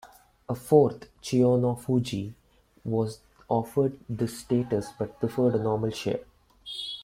A fourth, Chiyonofuji, was offered this status but preferred a normal share.